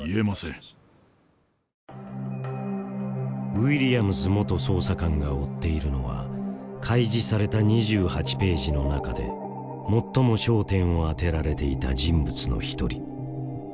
ウィリアムズ元捜査官が追っているのは開示された２８ページの中で最も焦点を当てられていた人物の一人。